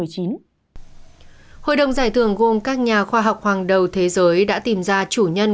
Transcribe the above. hội đồng giải thưởng gồm các nhà khoa học hàng đầu thế giới đã tìm ra chủ nhân